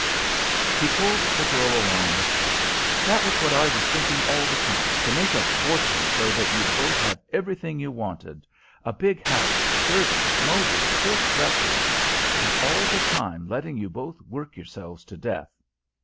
He pulled the girl along with him. "That was what I was thinking all the time: to make a fortune so that you'd both have everything you wanted, a big house, servants, motors, silk dresses And all the time letting you both work yourselves to death!